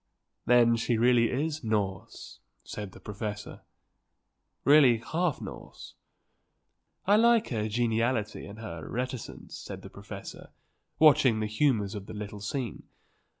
"Then she really is Norse," said the professor. "Really half Norse." "I like her geniality and her reticence," said the professor, watching the humours of the little scene.